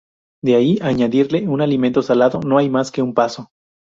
De ahí, a añadirle un alimento salado, no hay más que un paso.